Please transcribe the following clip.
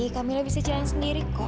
kamera bisa jalan sendiri kok